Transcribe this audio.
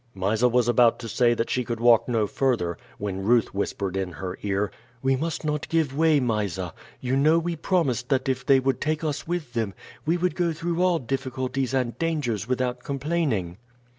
Mysa was about to say that she could walk no further, when Ruth whispered in her ear: "We must not give way, Mysa. You know we promised that if they would take us with them, we would go through all difficulties and dangers without complaining."